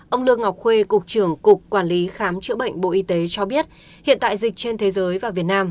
ông lương ngọc khuê cục trưởng cục quản lý khám chữa bệnh bộ y tế cho biết hiện tại dịch trên thế giới và việt nam